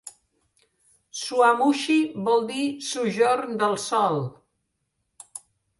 "Suamuxi" vol dir "sojorn del sol".